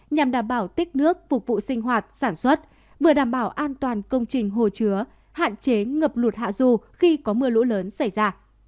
nhằm đảm bảo tích nước phục vụ sinh hoạt sản xuất vừa đảm bảo an toàn công trình hồ chứa hạn chế ngập lụt hạ dù khi có mưa lũ lớn xảy ra